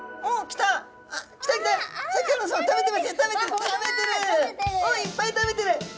おっいっぱい食べてる！